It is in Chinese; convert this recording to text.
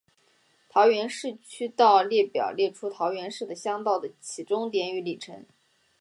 桃园市区道列表列出桃园市的乡道的起终点与里程。